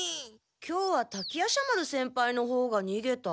今日は滝夜叉丸先輩のほうがにげた。